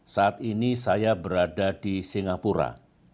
saat ini saya berada di singapura